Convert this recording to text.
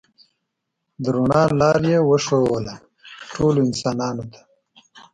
د رڼا لاره یې وښوده ټولو انسانانو ته.